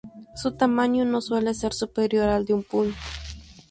Su tamaño no suele ser superior al de un puño.